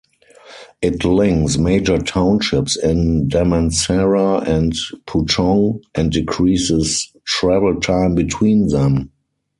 It links major townships in Damansara and Puchong and decreases travel time between them.